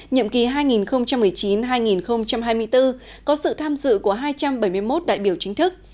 nhiệm kỳ hai nghìn một mươi chín hai nghìn hai mươi bốn có sự tham dự của hai trăm bảy mươi một đại biểu chính thức